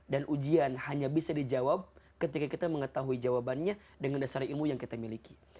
dan ujian hanya bisa dijawab ketika kita mengetahui jawabannya dengan dasar ilmu yang kita miliki